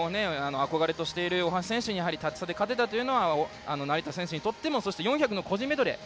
憧れとしている大橋選手にタッチ差で勝てたというのは成田選手にとっても今大会の個人メドレー